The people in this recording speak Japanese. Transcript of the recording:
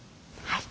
はい。